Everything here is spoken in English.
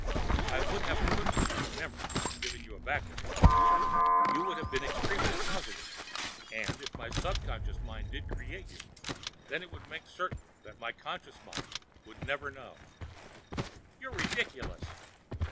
I would have equipped you with a memory, given you a background. You would have been extremely plausible. And if my subconscious mind did create you, then it would make certain that my conscious mind would never know." "You're ridiculous!"